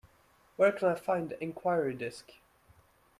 Where can I find the enquiry desk?